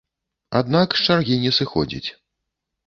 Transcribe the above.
Аднак з чаргі не сыходзіць.